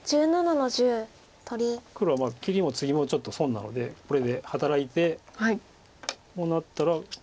黒はまだ切りもツギもちょっと損なのでこれで働いてこうなったら。